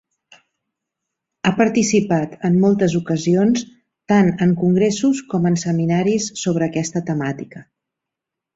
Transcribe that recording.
Ha participat en moltes ocasions tant en congressos com en seminaris sobre aquesta temàtica.